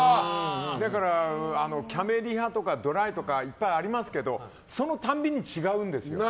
だからキャメリハとかドライとかいっぱいありますけどその度に違うんです。